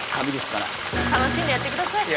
楽しんでやってください